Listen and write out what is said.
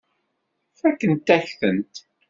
Fakkent-ak-tent.